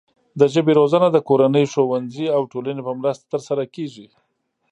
د ژبې روزنه د کورنۍ، ښوونځي او ټولنې په مرسته ترسره کیږي.